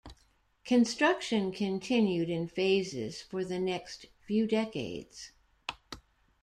Construction continued in phases for the next few decades.